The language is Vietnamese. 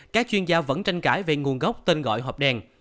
các chuyên gia vẫn tranh cãi về nguồn gốc tên gọi hộp đen